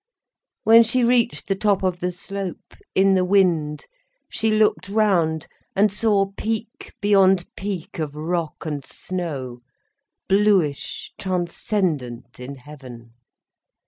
When she reached the top of the slope, in the wind, she looked round, and saw peak beyond peak of rock and snow, bluish, transcendent in heaven.